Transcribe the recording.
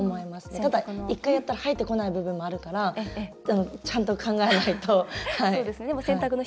ただ、１回やったら生えてこない部分もあるからちゃんと考えないと。